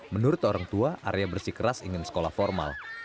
menurut orang tua arya bersikeras ingin sekolah formal